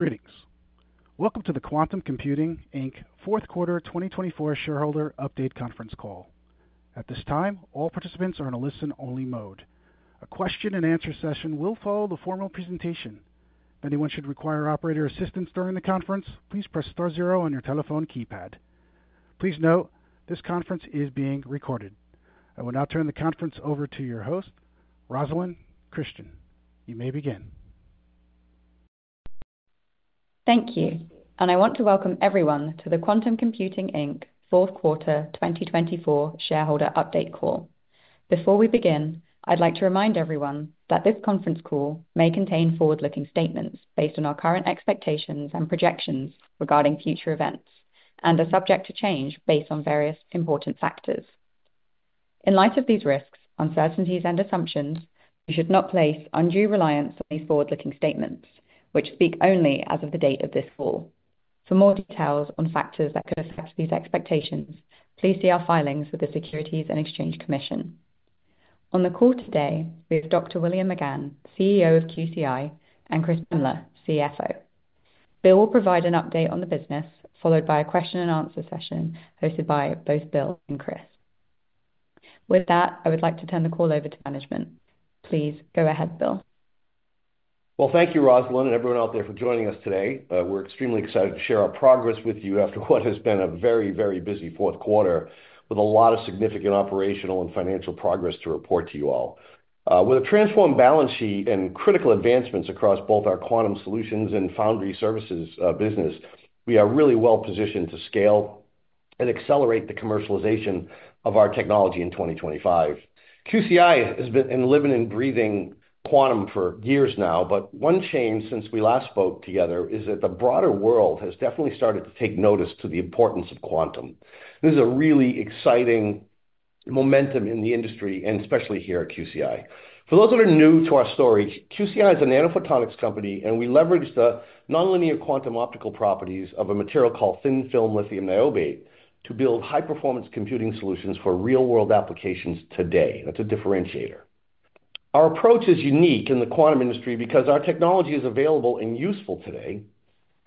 Greetings. Welcome to the "Quantum Computing Fourth Quarter 2024 Shareholder Update Conference Call". At this time, all participants are in a listen-only mode. A question-and-answer session will follow the formal presentation. If anyone should require operator assistance during the conference, please press star zero on your telephone keypad. Please note, this conference is being recorded. I will now turn the conference over to your host, Rosalyn Christian. You may begin. Thank you. I want to welcome everyone to the Quantum Computing Fourth Quarter 2024 Shareholder Update Call. Before we begin, I'd like to remind everyone that this conference call may contain forward-looking statements based on our current expectations and projections regarding future events, and are subject to change based on various important factors. In light of these risks, uncertainties, and assumptions, we should not place undue reliance on these forward-looking statements, which speak only as of the date of this call. For more details on factors that could affect these expectations, please see our filings with the Securities and Exchange Commission. On the call today, we have Dr. William McGann, CEO of QCI, and Chris Boehmler, CFO. Bill will provide an update on the business, followed by a question-and-answer session hosted by both Bill and Chris. With that, I would like to turn the call over to management. Please go ahead, Bill. Thank you, Rosalyn, and everyone out there for joining us today. We're extremely excited to share our progress with you after what has been a very, very busy fourth quarter, with a lot of significant operational and financial progress to report to you all. With a transformed balance sheet and critical advancements across both our quantum solutions and foundry services business, we are really well positioned to scale and accelerate the commercialization of our technology in 2025. QCI has been living and breathing quantum for years now, but one change since we last spoke together is that the broader world has definitely started to take notice of the importance of quantum. This is a really exciting momentum in the industry, and especially here at QCI. For those that are new to our story, QCI is a nanophotonics company, and we leverage the nonlinear quantum optical properties of a material called thin-film lithium niobate to build high-performance computing solutions for real-world applications today. That's a differentiator. Our approach is unique in the quantum industry because our technology is available and useful today.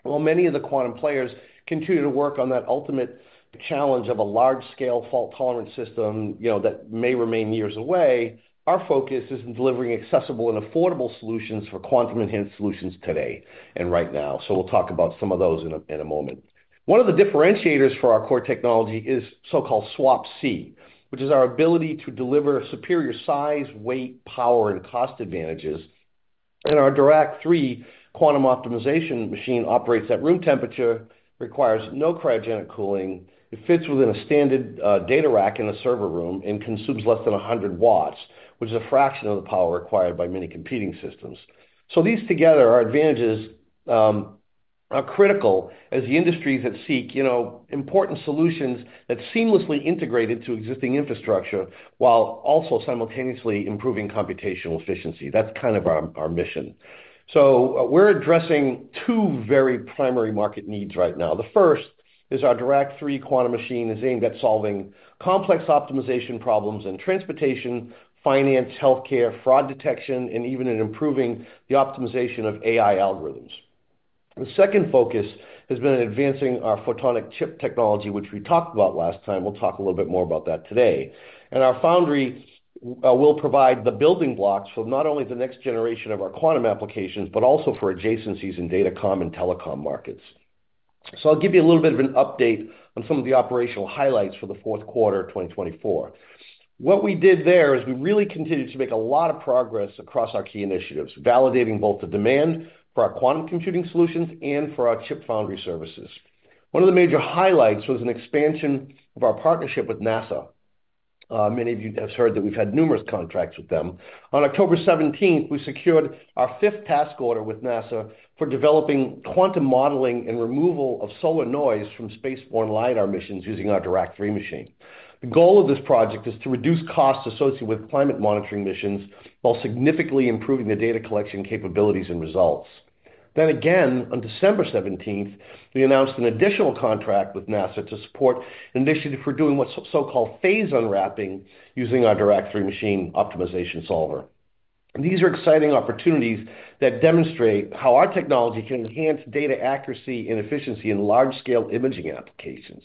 While many of the quantum players continue to work on that ultimate challenge of a large-scale fault-tolerant system that may remain years away, our focus is on delivering accessible and affordable solutions for quantum-enhanced solutions today and right now. We will talk about some of those in a moment. One of the differentiators for our core technology is so-called SWaP-C, which is our ability to deliver superior size, weight, power, and cost advantages. Our Dirac-3 quantum optimization machine operates at room temperature, requires no cryogenic cooling, it fits within a standard data rack in a server room, and consumes less than 100 watts, which is a fraction of the power required by many computing systems. These together are advantages critical as the industries that seek important solutions that seamlessly integrate into existing infrastructure while also simultaneously improving computational efficiency. That is kind of our mission. We are addressing 2 very primary market needs right now. The first is our Dirac-3 quantum machine is aimed at solving complex optimization problems in transportation, finance, healthcare, fraud detection, and even in improving the optimization of AI algorithms. The second focus has been advancing our photonic chip technology, which we talked about last time. We will talk a little bit more about that today. Our foundry will provide the building blocks for not only the next generation of our quantum applications, but also for adjacencies in datacom and telecom markets. I'll give you a little bit of an update on some of the operational highlights for the fourth quarter of 2024. What we did there is we really continued to make a lot of progress across our key initiatives, validating both the demand for our quantum computing solutions and for our chip foundry services. One of the major highlights was an expansion of our partnership with NASA. Many of you have heard that we've had numerous contracts with them. On October 17, we secured our fifth task order with NASA for developing quantum modeling and removal of solar noise from space-borne LIDAR missions using our Dirac-3 machine. The goal of this project is to reduce costs associated with climate monitoring missions while significantly improving the data collection capabilities and results. On December 17th, we announced an additional contract with NASA to support an initiative for doing what's so-called phase unwrapping using our Dirac-3 machine optimization solver. These are exciting opportunities that demonstrate how our technology can enhance data accuracy and efficiency in large-scale imaging applications.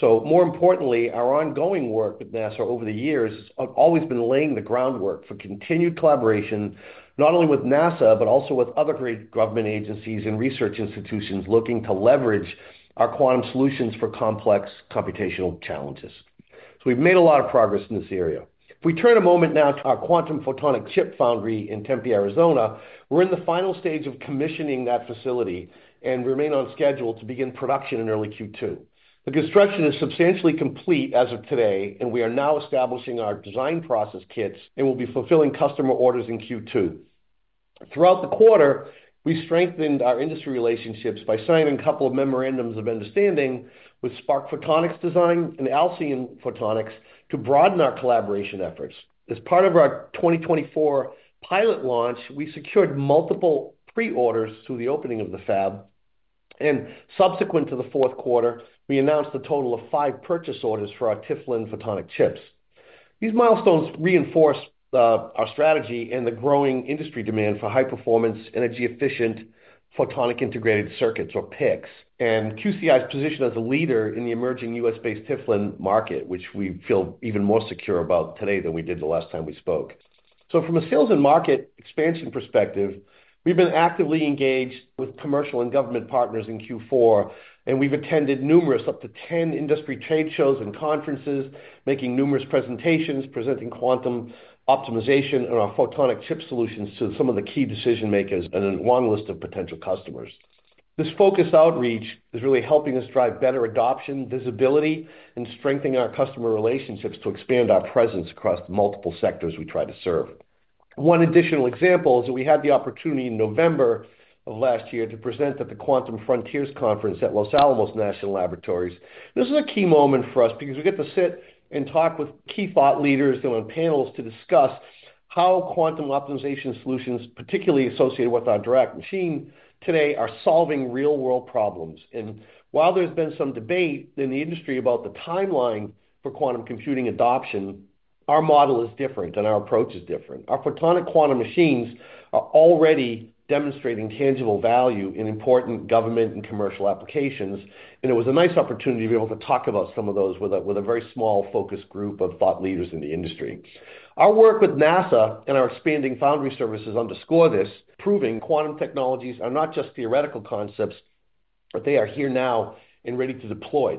More importantly, our ongoing work with NASA over the years has always been laying the groundwork for continued collaboration, not only with NASA, but also with other great government agencies and research institutions looking to leverage our quantum solutions for complex computational challenges. We've made a lot of progress in this area. If we turn a moment now to our quantum photonic chip foundry in Tempe, Arizona, we're in the final stage of commissioning that facility and remain on schedule to begin production in early Q2. The construction is substantially complete as of today, and we are now establishing our process design kits and will be fulfilling customer orders in Q2. Throughout the quarter, we strengthened our industry relationships by signing a couple of memorandums of understanding with Spark Photonics Design and Alcyon Photonics to broaden our collaboration efforts. As part of our 2024 pilot launch, we secured multiple pre-orders through the opening of the fab. Subsequent to the fourth quarter, we announced a total of 5 purchase orders for our TFLN photonic chips. These milestones reinforce our strategy and the growing industry demand for high-performance, energy-efficient photonic integrated circuits, or PICs. QCI's position as a leader in the emerging U.S.-based TFLN market, which we feel even more secure about today than we did the last time we spoke. From a sales and market expansion perspective, we've been actively engaged with commercial and government partners in Q4, and we've attended numerous, up to 10 industry trade shows and conferences, making numerous presentations, presenting quantum optimization and our photonic chip solutions to some of the key decision-makers and a long list of potential customers. This focused outreach is really helping us drive better adoption, visibility, and strengthening our customer relationships to expand our presence across the multiple sectors we try to serve. One additional example is that we had the opportunity in November of last year to present at the Quantum Frontiers Conference at Los Alamos National Laboratory. This was a key moment for us because we got to sit and talk with key thought leaders and on panels to discuss how quantum optimization solutions, particularly associated with our Dirac machine, today are solving real-world problems. While there's been some debate in the industry about the timeline for quantum computing adoption, our model is different and our approach is different. Our photonic quantum machines are already demonstrating tangible value in important government and commercial applications. It was a nice opportunity to be able to talk about some of those with a very small focus group of thought leaders in the industry. Our work with NASA and our expanding foundry services underscore this, proving quantum technologies are not just theoretical concepts, but they are here now and ready to deploy.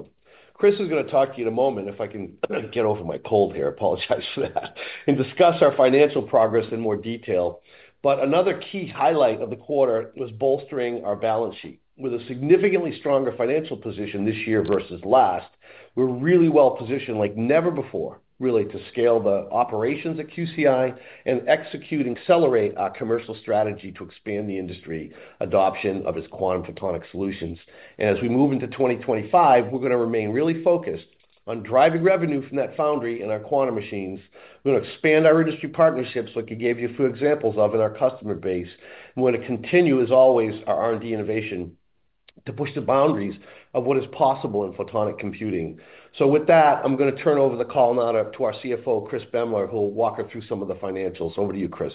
Chris is going to talk to you in a moment, if I can get over my cold here, apologize for that, and discuss our financial progress in more detail. Another key highlight of the quarter was bolstering our balance sheet. With a significantly stronger financial position this year versus last, we're really well positioned like never before, really, to scale the operations at QCI and execute and accelerate our commercial strategy to expand the industry adoption of its quantum photonic solutions. As we move into 2025, we're going to remain really focused on driving revenue from that foundry and our quantum machines. We're going to expand our industry partnerships, like I gave you a few examples of, and our customer base. We're going to continue, as always, our R&D innovation to push the boundaries of what is possible in photonic computing. With that, I'm going to turn over the call now to our CFO, Chris Boehmler, who will walk us through some of the financials. Over to you, Chris.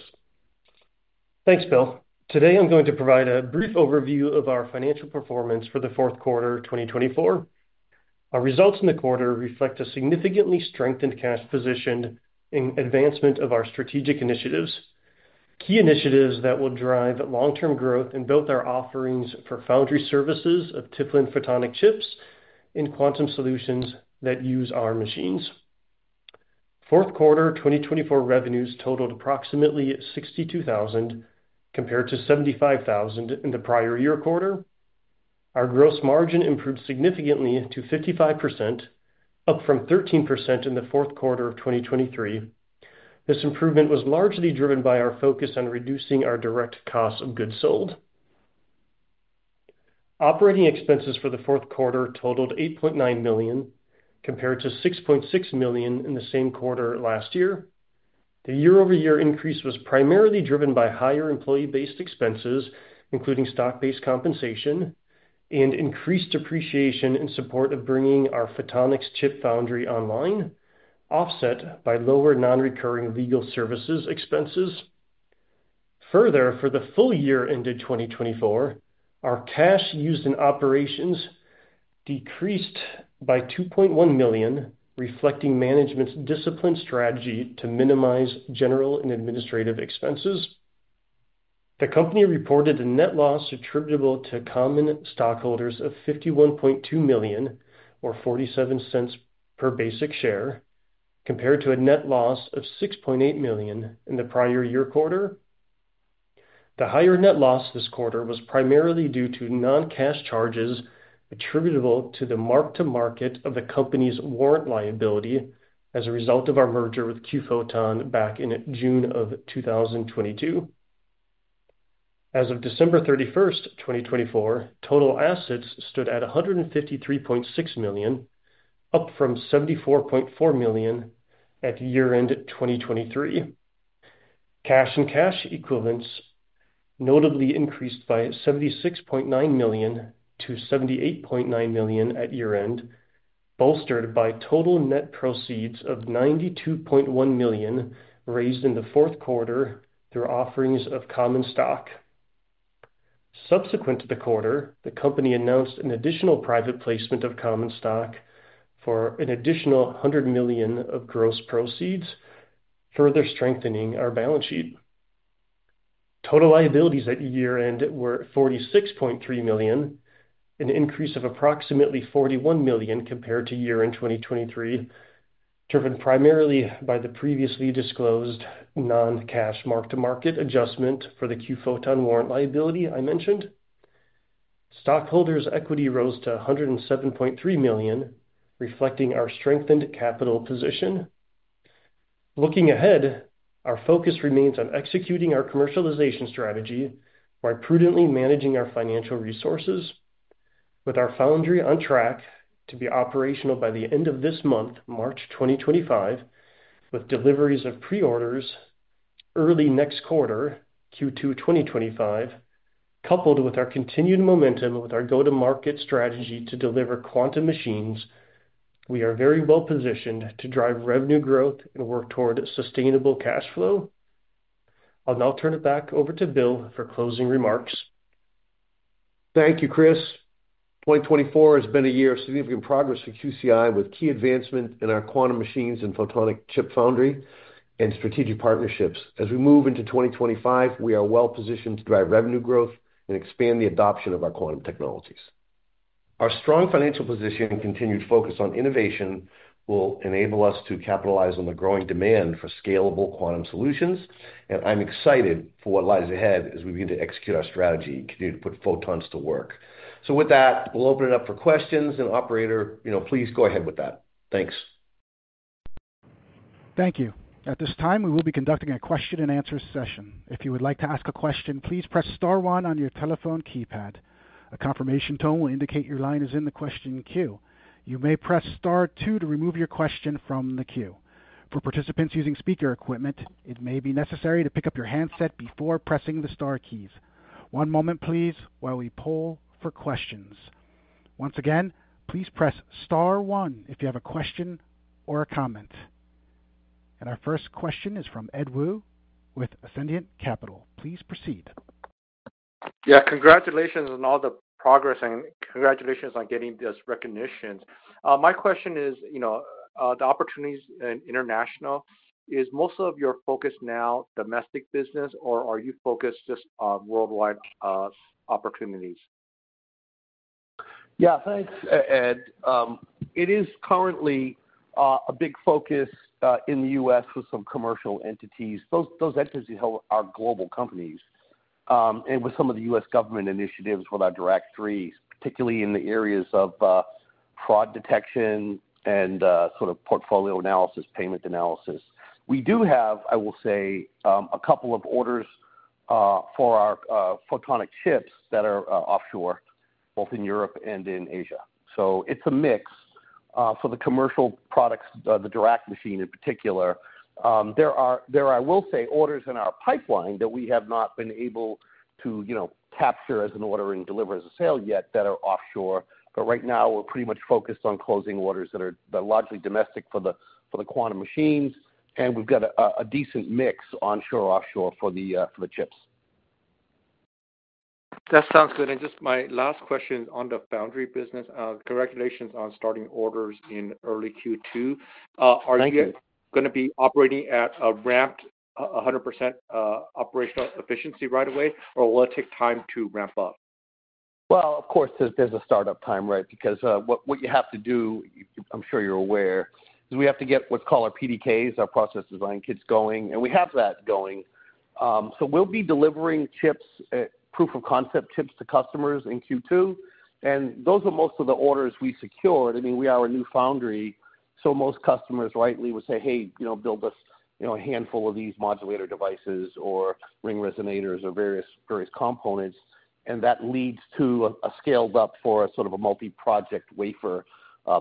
Thanks, Bill. Today, I'm going to provide a brief overview of our financial performance for the fourth quarter 2024. Our results in the quarter reflect a significantly strengthened cash position and advancement of our strategic initiatives, key initiatives that will drive long-term growth and build our offerings for foundry services of TFLN photonic chips and quantum solutions that use our machines. Fourth quarter 2024 revenues totaled approximately $62,000 compared to $75,000 in the prior year quarter. Our gross margin improved significantly to 55%, up from 13% in the fourth quarter of 2023. This improvement was largely driven by our focus on reducing our direct cost of goods sold. Operating expenses for the fourth quarter totaled $8.9 million compared to $6.6 million in the same quarter last year. The year-over-year increase was primarily driven by higher employee-based expenses, including stock-based compensation and increased depreciation in support of bringing our photonics chip foundry online, offset by lower non-recurring legal services expenses. Further, for the full year ended 2024, our cash used in operations decreased by $2.1 million, reflecting management's disciplined strategy to minimize general and administrative expenses. The company reported a net loss attributable to common stockholders of $51.2 million, or $0.47 per basic share, compared to a net loss of $6.8 million in the prior year quarter. The higher net loss this quarter was primarily due to non-cash charges attributable to the mark-to-market of the company's warrant liability as a result of our merger with QPhoton back in June of 2022. As of December 31st, 2024, total assets stood at $153.6 million, up from $74.4 million at year-end 2023. Cash and cash equivalents notably increased by $76.9 million to $78.9 million at year-end, bolstered by total net proceeds of $92.1 million raised in the fourth quarter through offerings of common stock. Subsequent to the quarter, the company announced an additional private placement of common stock for an additional $100 million of gross proceeds, further strengthening our balance sheet. Total liabilities at year-end were $46.3 million, an increase of approximately $41 million compared to year-end 2023, driven primarily by the previously disclosed non-cash mark-to-market adjustment for the QPhoton warrant liability I mentioned. Stockholders' equity rose to $107.3 million, reflecting our strengthened capital position. Looking ahead, our focus remains on executing our commercialization strategy while prudently managing our financial resources, with our foundry on track to be operational by the end of this month, March 2025, with deliveries of pre-orders early next quarter, Q2 2025. Coupled with our continued momentum with our go-to-market strategy to deliver quantum machines, we are very well positioned to drive revenue growth and work toward sustainable cash flow. I'll now turn it back over to Bill for closing remarks. Thank you, Chris. 2024 has been a year of significant progress for QCI, with key advancements in our quantum machines and photonic chip foundry and strategic partnerships. As we move into 2025, we are well positioned to drive revenue growth and expand the adoption of our quantum technologies. Our strong financial position and continued focus on innovation will enable us to capitalize on the growing demand for scalable quantum solutions. I am excited for what lies ahead as we begin to execute our strategy and continue to put photons to work. With that, we will open it up for questions. Operator, you know, please go ahead with that. Thanks. Thank you. At this time, we will be conducting a question-and-answer session. If you would like to ask a question, please press Star 1 on your telephone keypad. A confirmation tone will indicate your line is in the question queue. You may press Star 2 to remove your question from the queue. For participants using speaker equipment, it may be necessary to pick up your handset before pressing the Star keys. One moment, please, while we poll for questions. Once again, please press Star 1 if you have a question or a comment. Our first question is from Ed Woo with Ascendiant Capital. Please proceed. Yeah, congratulations on all the progress and congratulations on getting this recognition. My question is, you know, the opportunities in international, is most of your focus now domestic business, or are you focused just on worldwide opportunities? Yeah, thanks, Ed. It is currently a big focus in the U.S. with some commercial entities. Those entities are global companies. With some of the U.S. government initiatives with our Dirac-3, particularly in the areas of fraud detection and sort of portfolio analysis, payment analysis. We do have, I will say, a couple of orders for our photonic chips that are offshore, both in Europe and in Asia. It is a mix for the commercial products, the Dirac machine in particular. There are, I will say, orders in our pipeline that we have not been able to, you know, capture as an order and deliver as a sale yet that are offshore. Right now, we're pretty much focused on closing orders that are largely domestic for the quantum machines. We've got a decent mix onshore, offshore for the chips. That sounds good. Just my last question on the foundry business, congratulations on starting orders in early Q2. Thank you. Are you going to be operating at a ramped 100% operational efficiency right away, or will it take time to ramp up? Of course, there's a startup time, right? Because what you have to do, I'm sure you're aware, is we have to get what's called our PDKs, our process design kits going. And we have that going. We will be delivering chips, proof of concept chips to customers in Q2. Those are most of the orders we secured. I mean, we are a new foundry. Most customers rightly would say, "Hey, you know, build us a handful of these modulator devices or ring resonators or various components." That leads to a scaled-up for a sort of a multi-project wafer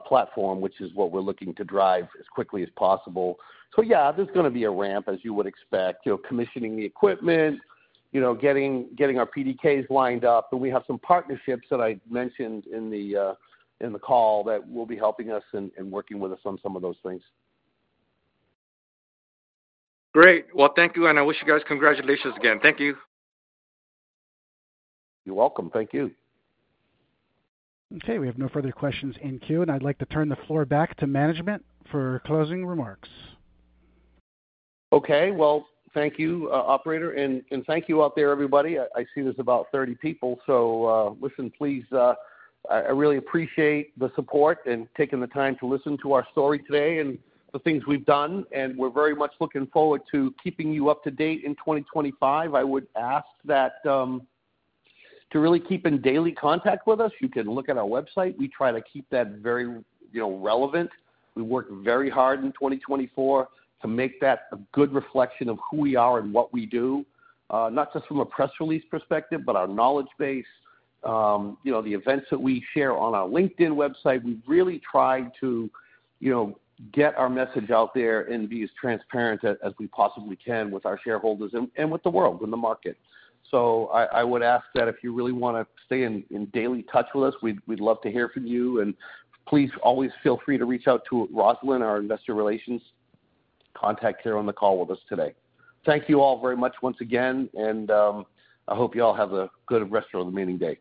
platform, which is what we're looking to drive as quickly as possible. Yeah, there's going to be a ramp, as you would expect, commissioning the equipment, you know, getting our PDKs lined up. We have some partnerships that I mentioned in the call that will be helping us and working with us on some of those things. Great. Thank you. I wish you guys congratulations again. Thank you. You're welcome. Thank you. Okay. We have no further questions in queue. I'd like to turn the floor back to management for closing remarks. Okay. Thank you, Operator. Thank you out there, everybody. I see there's about 30 people. Listen, please, I really appreciate the support and taking the time to listen to our story today and the things we've done. We are very much looking forward to keeping you up to date in 2025. I would ask that you really keep in daily contact with us. You can look at our website. We try to keep that very relevant. We worked very hard in 2024 to make that a good reflection of who we are and what we do, not just from a press release perspective, but our knowledge base, you know, the events that we share on our LinkedIn website. We've really tried to, you know, get our message out there and be as transparent as we possibly can with our shareholders and with the world and the market. I would ask that if you really want to stay in daily touch with us, we'd love to hear from you. Please always feel free to reach out to Rosalyn, our investor relations contact here on the call with us today. Thank you all very much once again. I hope you all have a good rest of the remaining day.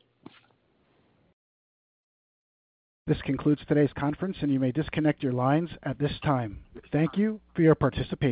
This concludes today's conference, and you may disconnect your lines at this time. Thank you for your participation.